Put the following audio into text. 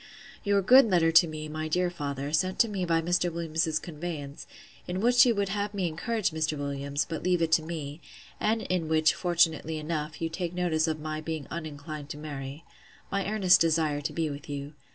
Your good letter to me, my dear father, sent to me by Mr. Williams's conveyance; in which you would have me encourage Mr. Williams, but leave it to me; and in which, fortunately enough, you take notice of my being uninclined to marry.—My earnest desire to be with you.